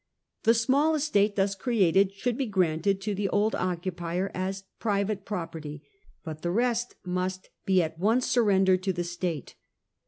The small estate thus created should be granted to the old occupier as private property, but the rest must at once be surrendered to the state.